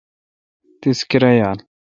تیس کرایال؟